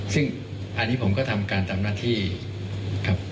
ซึ่งอันนี้ผมก็ทำการทำหน้าที่ครับ